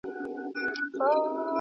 خره به ټوله ورځ په شا وړله بارونه `